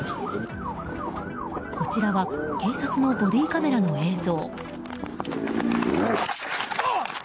こちらは警察のボディーカメラの映像。